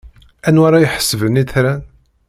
Anwa ara iḥesben itran?